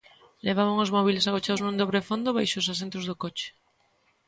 Levaban os móbiles agochados nun dobre fondo baixo os asentos do coche.